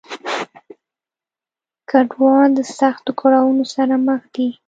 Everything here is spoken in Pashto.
کډوال د سختو کړاونو سره مخ دي.